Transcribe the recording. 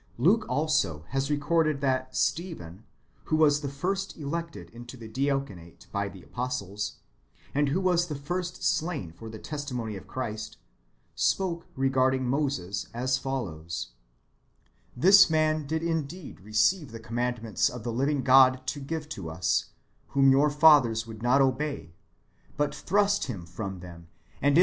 ^ Luke also has recorded that Stephen, who was the first elected into the diaconate by the apostles, and wdio was the first slain for the testimony of Christ, spoke regarding Moses as follows :" This man did indeed receive the command ments of the living God to give to us, whom your fathers would not obey, but thrust [Him from them], and in their 1 Deut.